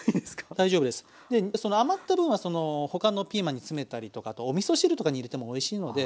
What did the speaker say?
余った分はその他のピーマンに詰めたりとかあとおみそ汁とかに入れてもおいしいので。